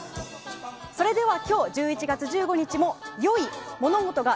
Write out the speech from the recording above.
それでは今日１１月１５日も良い、物事が